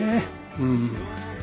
うん。